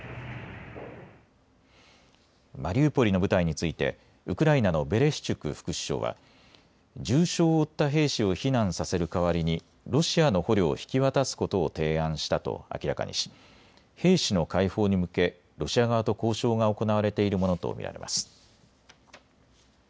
マリウポリの部隊についてウクライナのベレシチュク副首相は重傷を負った兵士を避難させる代わりにロシアの捕虜を引き渡すことを提案したと明らかにし、兵士の解放に向けロシア側と交渉が行われているものと見られます。